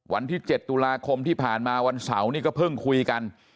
วันที่๗ตุลาคมที่ผ่านมาวันเสาร์นี่ก็เพิ่งคุยกัน